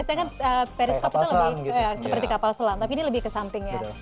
biasanya kan periscope itu lebih seperti kapal selam tapi ini lebih ke samping ya